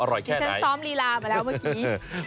อร่อยแค่ไหนที่ฉันซ้อมลีลามาแล้วเมื่อกี้